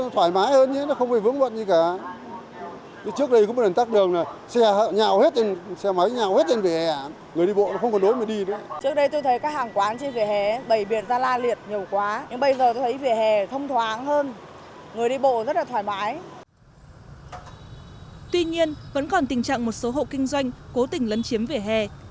tuy nhiên vẫn còn tình trạng một số hộ kinh doanh cố tình lấn chiếm vỉa hè